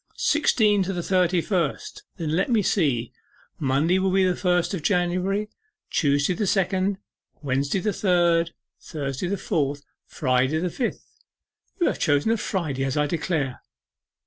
'Sixteen to the thirty first. Then let me see, Monday will be the first of January, Tuesday the second, Wednesday third, Thursday fourth, Friday fifth you have chosen a Friday, as I declare!